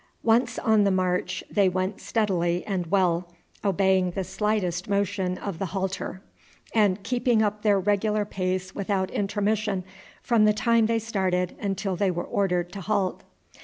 Once on the march they went steadily and well, obeying the slightest motion of the halter, and keeping up their regular pace without intermission from the time they started until they were ordered to halt.